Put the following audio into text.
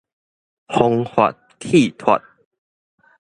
癀發氣脫